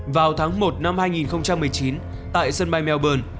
vào tháng một năm hai nghìn một mươi chín tại sân bay melbourne